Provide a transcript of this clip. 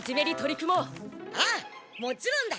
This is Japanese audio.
ああもちろんだ。